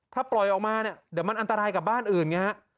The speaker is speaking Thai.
ถ้าปล่อยออกมาเนี่ยเดี๋ยวมันอันตรายกับบ้านอื่นไงฮะ